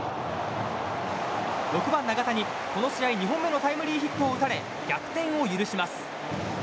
６番、長田にこの試合２本目のタイムリーヒットを打たれ逆転を許します。